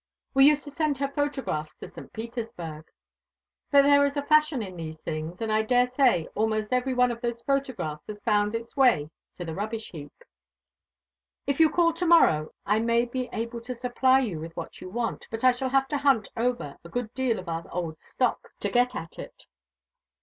We used to send her photographs to St. Petersburg. But there is a fashion in these things; and I daresay almost every one of those photographs has found its way to the rubbish heap. If you call to morrow I may be able to supply you with what you want; but I shall have to hunt over a good deal of our old stock to get at it."